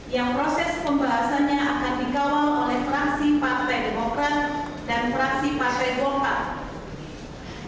yang proses pembahasannya akan dikawal oleh fraksi partai demokrat dan fraksi partai golkar